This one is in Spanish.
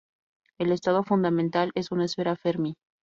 El estado fundamental es una esfera fermi.